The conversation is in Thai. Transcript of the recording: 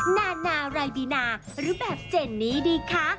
นานารายบีนาหรือแบบเจนนี่ดีคะ